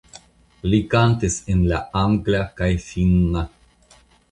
Li kantis en angla kaj finna.